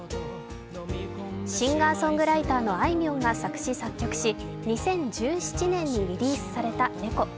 シンガーソングライターのあいみょんが作詞作曲し、２０１７年にリリースされた「猫」。